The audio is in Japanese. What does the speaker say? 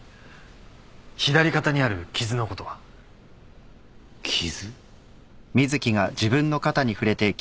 左肩にある傷のことは？傷？